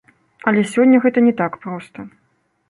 Але сёння гэта не так проста.